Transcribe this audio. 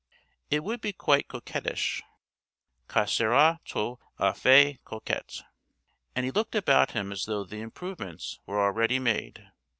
It would be quite coquettish—ça serait tout à fait coquet.' And he looked about him as though the improvements were already made.